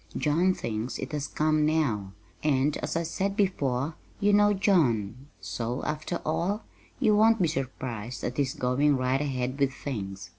John thinks it has come now; and, as I said before, you know John, so, after all, you won't be surprised at his going right ahead with things.